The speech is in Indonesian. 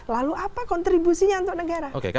lalu apa kontribusinya untuk negara